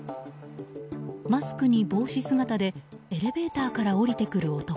マスクに帽子姿でエレベーターから降りてくる男。